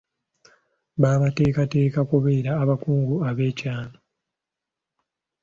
Babateekateeka kubeera abakugu ab’enkya.